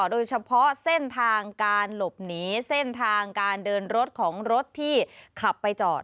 โดยเฉพาะเส้นทางการหลบหนีเส้นทางการเดินรถของรถที่ขับไปจอด